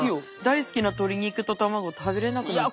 大好きな鶏肉と卵食べれなくなっちゃう。